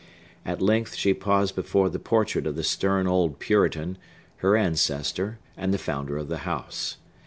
At length she paused before the portrait of the stern old Puritan, her ancestor, and the founder of the house.